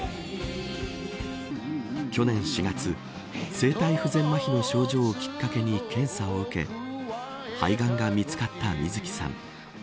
去年４月声帯不全まひの症状をきっかけに検査を受け肺がんが見つかった水木さん。